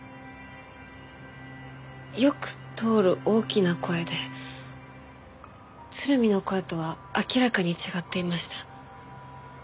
よく通る大きな声で鶴見の声とは明らかに違っていました。